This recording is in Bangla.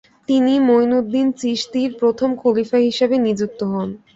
তিনি মঈনুদ্দিন চিশতির প্রথম খলিফা হিসেবে নিযুক্ত হন।